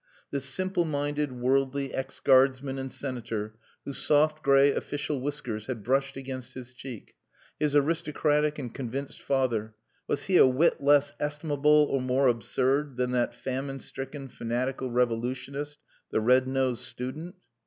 This simpleminded, worldly ex Guardsman and senator whose soft grey official whiskers had brushed against his cheek, his aristocratic and convinced father, was he a whit less estimable or more absurd than that famine stricken, fanatical revolutionist, the red nosed student?